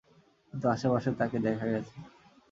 কিন্তু আশেপাশে তাকে দেখা গেছে।